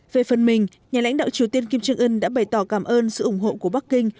về phần mình nhà lãnh đạo triều tiên kim trương ưn đã bày tỏ cảm ơn sự ủng hộ của bắc kinh